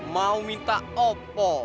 mau minta apa